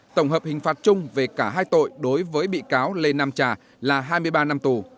tổng hợp hình phạt chung về cả hai tội đối với bị cáo lê nam trà là hai mươi ba năm tù